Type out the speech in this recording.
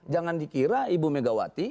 jangan dikira ibu megawati